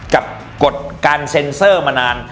กฎการเซ็นเซอร์มานาน